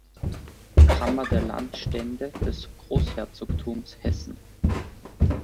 Kammer der Landstände des Großherzogtums Hessen.